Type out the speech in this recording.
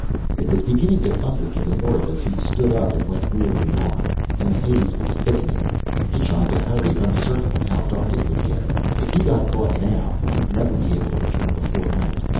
It was beginning to thunder to the north as he stood up and went wearily on, and the haze was thickening. He tried to hurry, uncertain of how dark it would get. If he got caught now, he'd never be able to return before night.